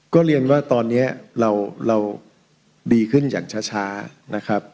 ก็เรียนว่าตอนนี้เราดีขึ้นอย่างช้านะครับ